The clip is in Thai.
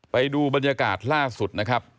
ไปดูบรรยากาศล่าสุดนะครับ